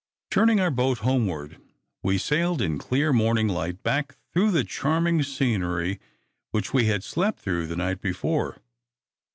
Turning our boat homeward, we sailed in clear morning light back through the charming scenery which we had slept through the night before.